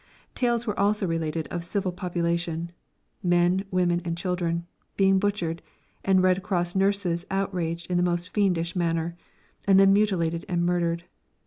Tales also were related of civil population men, women and children being butchered, and Red Cross nurses outraged in the most fiendish manner, and then mutilated and murdered.